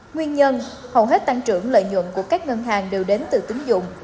nguyên nhân hầu hết tăng trưởng lợi nhuận của các ngân hàng đều đến từ tính dụng